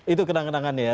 itu kenangan kenangan ya